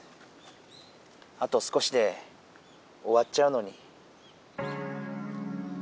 あと少しでおわっちゃうのに。